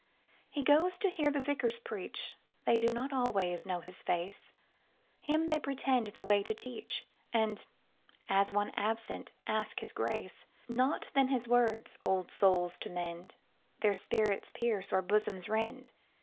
He goes to hear the vicars preach:They do not always know his face, Him they pretend the way to teach, And, as one absent, ask his grace. Not then his words, "Old souls to mend!"Their spirits pierce or bosoms rend.